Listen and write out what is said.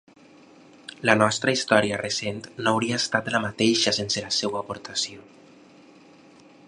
La nostra història recent no hauria estat la mateixa sense la seva aportació.